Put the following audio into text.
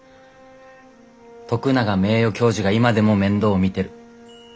徳永名誉教授が今でも面倒を見てる。